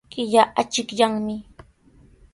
Killa achikyanmi.